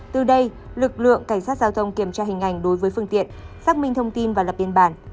từ đây lực lượng cảnh sát giao thông kiểm tra hình ảnh đối với phương tiện xác minh thông tin và lập biên bản